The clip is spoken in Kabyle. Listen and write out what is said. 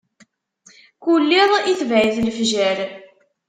Kul iḍ, itbeɛ-it lefjer.